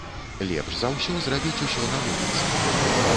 Лепш за ўсё зрабіць усё на вуліцы.